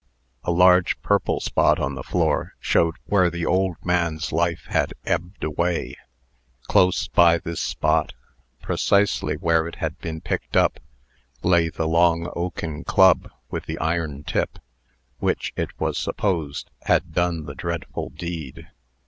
A large purple spot on the floor showed where the old man's life had ebbed away. Close by this spot, precisely where it had been picked up, lay the long oaken club with the iron tip, which, it was supposed, had done the dreadful deed.